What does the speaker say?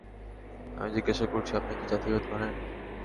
আমি জিজ্ঞাসা করছি আপনি কি জাতিভেদ মানেন?